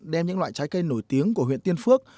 đem những loại trái cây nổi tiếng của huyện tiên phước